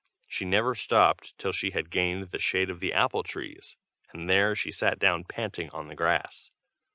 She never stopped till she had gained the shade of the apple trees, and there she sat down panting on the grass.